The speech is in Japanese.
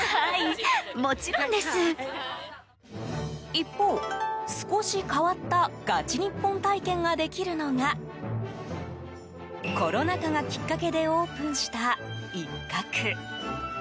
一方、少し変わったガチニッポン体験ができるのがコロナ禍がきっかけでオープンした、一角。